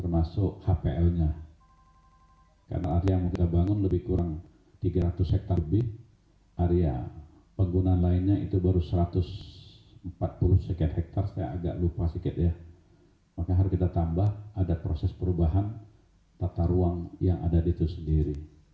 maka harus kita tambah ada proses perubahan tata ruang yang ada di itu sendiri